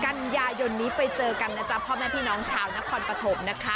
กันยายนนี้ไปเจอกันนะจ๊ะพ่อแม่พี่น้องชาวนครปฐมนะคะ